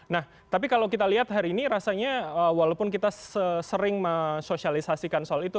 nah tapi kalau kita lihat hari ini rasanya walaupun kita sering mensosialisasikan soal itu